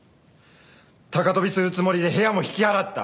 高飛びするつもりで部屋も引き払った。